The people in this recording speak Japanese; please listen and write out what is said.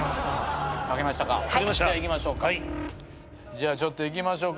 じゃあちょっといきましょうか。